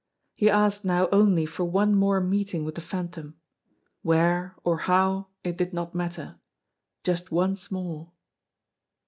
He asked now only for one more meeting with the Phantom. Where, or how, it did not matter. Just once more